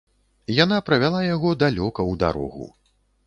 Яна правяла яго далёка ў дарогу.